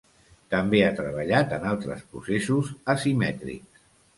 També ha treballat en altres processos asimètrics.